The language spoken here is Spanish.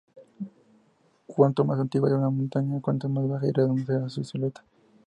Cuanto más antigua es una montaña, tanto más baja y redonda será su silueta.